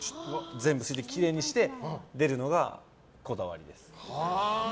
全部、水滴をきれいにして出るのがこだわりです。